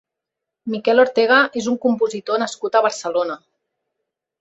Miquel Ortega és un compositor nascut a Barcelona.